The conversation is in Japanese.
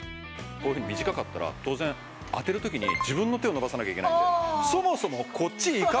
こういうふうに短かったら当然当てる時に自分の手を伸ばさなきゃいけないんでそもそもこっちいかないよ